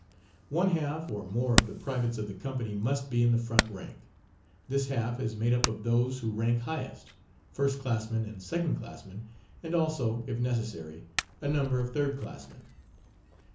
One half or more of the privates of the company must be in the front rank. This half is made up of those who rank highest, first classmen and second classmen, and also, if necessary, a number of third classmen.